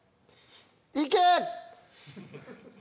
いけ！